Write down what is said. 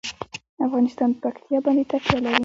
افغانستان په پکتیا باندې تکیه لري.